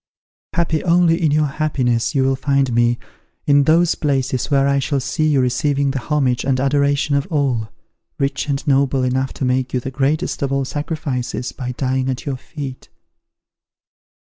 Happy only in your happiness, you will find me, in those palaces where I shall see you receiving the homage and adoration of all, rich and noble enough to make you the greatest of all sacrifices, by dying at your feet."